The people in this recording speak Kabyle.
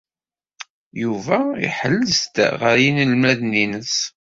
Yuba iḥelles-d ɣer yinelmaden-nnes.